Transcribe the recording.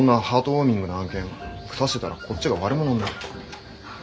ウォーミングな案件クサしてたらこっちが悪者になる。